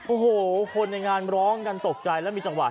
โอ้โหคนในงานร้องกันตกใจแล้วมีจังหวะ